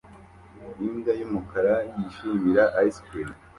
imbwa yumukara yishimira ice cream